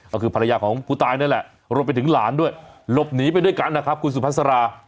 ก็คือภรรยาของผู้ตายนั่นแหละรวมไปถึงหลานด้วยหลบหนีไปด้วยกันนะครับคุณสุภาษา